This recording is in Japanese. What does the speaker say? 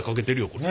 これ。